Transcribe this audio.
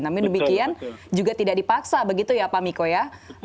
namun demikian juga tidak dipaksa begitu ya pak miko ya